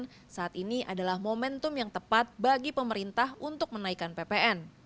kebijakan saat ini adalah momentum yang tepat bagi pemerintah untuk menaikkan ppn